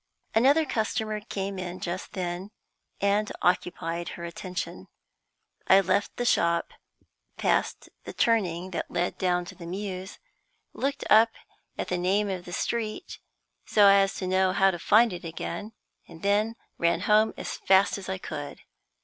Another customer came in just then, and occupied her attention. I left the shop, passed the turning that led down to the Mews, looked up at the name of the street, so as to know how to find it again, and then ran home as fast as I could.